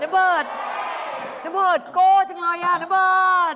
น้ำเบิร์ดโก้จังเลยน้ำเบิร์ด